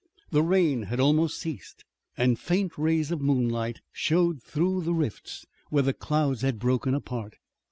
The rain had almost ceased and faint rays of moonlight showed through the rifts where the clouds had broken apart.